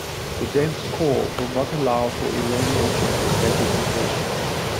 The dense core will not allow for irradiation as stated before.